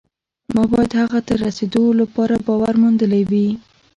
ما باید هغه ته د رسېدو لپاره باور موندلی وي